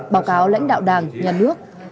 báo cáo lãnh đạo đảng nhà nước